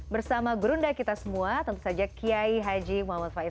bersama gurunda kita semua tentu saja kiai haji muhammad faiz